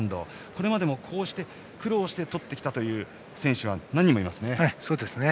これまでもこうして苦労して取ってきたという選手は何人もいますね。